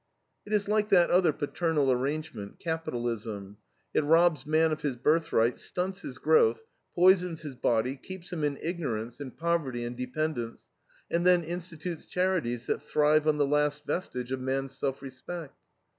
It is like that other paternal arrangement capitalism. It robs man of his birthright, stunts his growth, poisons his body, keeps him in ignorance, in poverty, and dependence, and then institutes charities that thrive on the last vestige of man's self respect.